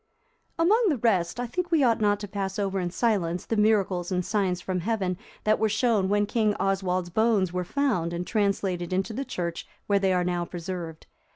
] Among the rest, I think we ought not to pass over in silence the miracles and signs from Heaven that were shown when King Oswald's bones were found, and translated into the church where they are now preserved.